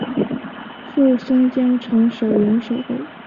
授松江城守营守备。